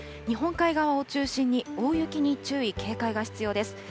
日本海側を中心に大雪に注意、警戒が必要です。